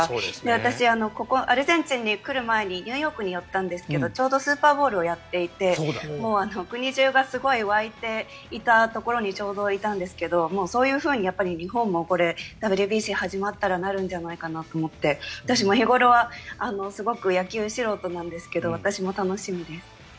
私、ここアルゼンチンに来る前にニューヨークに寄ったんですけどちょうどスーパーボウルをやっていて国中がすごい沸いていたところにちょうどいたんですけどそういうふうに日本もＷＢＣ始まったらなるんじゃないかなと思って私も日頃は野球素人なんですけど私も楽しみです。